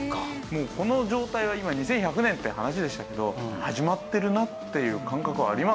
もうこの状態が今２１００年って話でしたけど始まってるなっていう感覚はありますね。